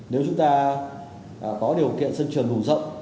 nếu chúng ta có điều kiện sân trường đủ rộng